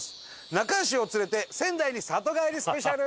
仲良しを連れて仙台に里帰りスペシャル！